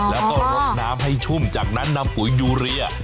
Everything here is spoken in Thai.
แล้วก็รดน้ำให้ชุ่มจากนั้นนำปุ๋ยยูเรีย